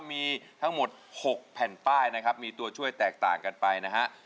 มีทั้งหมด๖แผ่นป้ายนะครับมีตัวช่วยแตกต่างกันไปนะฮะ